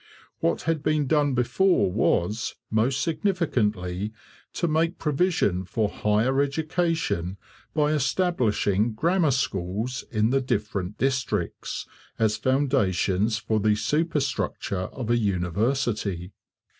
What had been done before was, most significantly, to make provision for higher education by establishing 'grammar schools' in the different districts, as foundations for the superstructure of a university.